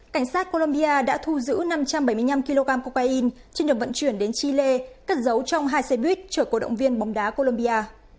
cảnh sát colombia đã thu giữ năm trăm bảy mươi năm kg cocaine trên đường vận chuyển đến chile cất giấu trong hai xe buýt chở cổ động viên bóng đá colombia